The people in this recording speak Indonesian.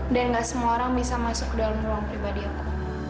dan nggak semua orang bisa masuk ke dalam ruang pribadi aku